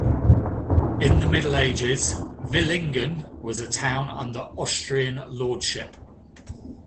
In the Middle Ages Villingen was a town under Austrian lordship.